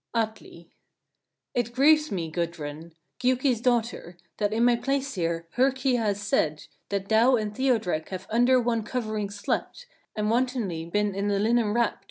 Atli. 2. It grieves me, Gudrun! Giuki's daughter! that in my palace here, Herkia has said, that thou and Thiodrek have under one covering slept, and wantonly been in the linen wrapt.